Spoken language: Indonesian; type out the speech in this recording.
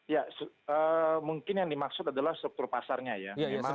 ya mungkin yang dimaksud adalah struktur pasarnya ya